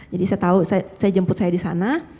jadi saya tahu saya jemput saya di sana